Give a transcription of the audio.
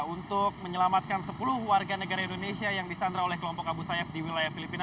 untuk menyelamatkan sepuluh warga negara indonesia yang disandra oleh kelompok abu sayyaf di wilayah filipina